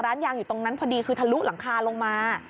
ร้านยางอยู่ตรงนั้นพอดีคือทะลุหลังคาลงมา